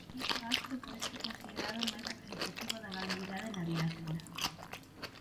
Dito acto pode ser considerado o máis representativo da galeguidade na diáspora.